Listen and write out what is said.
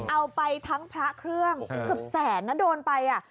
เอาไปทั้งพระเครื่องเกือบแสนนะโดนไป